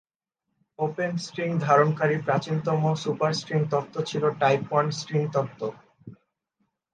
Open string ধারণকারী প্রাচীনতম super string তত্ত্ব ছিল টাইপ ওয়ান স্ট্রিং তত্ত্ব।